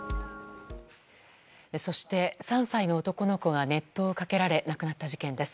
そして、３歳の男の子が熱湯をかけられ亡くなった事件です。